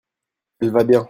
elle va bien.